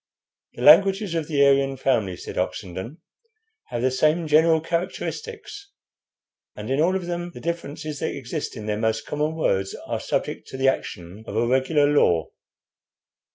"The languages of the Aryan family," said Oxenden, "have the same general characteristics, and in all of them the differences that exist in their most common words are subject to the action of a regular law.